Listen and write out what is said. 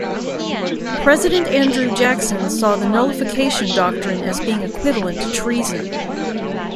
President Andrew Jackson saw the nullification doctrine as being equivalent to treason.